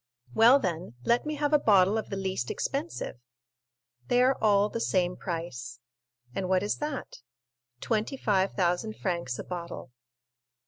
"Well, then, let me have a bottle of the least expensive." "They are all the same price." "And what is that?" "Twenty five thousand francs a bottle."